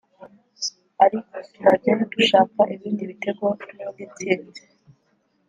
ariko turajyayo dushaka ibindi bitego n’indi ntsinzi